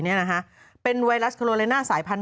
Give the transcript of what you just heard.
นี่นะคะเป็นไวรัสโคโรเลน่าสายพันธ